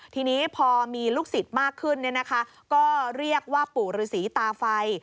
ทีนี้พอมีลูกศิษย์มากขึ้นก็เรียกว่าปู่ฤษีตาไฟ